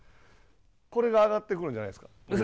これが上がってくるんじゃないですか。